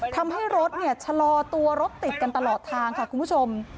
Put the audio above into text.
ทำให้รถชะลอตัวรถติดกันตลอดทางค่ะคุณผู้ชม